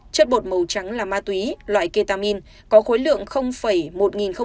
chất bột màu trắng là ma túy loại ketamin có khối lượng một nghìn sáu mươi sáu gram